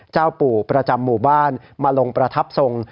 เจ้าปู่ประจำหมู่บ้านมาลงประทับทรง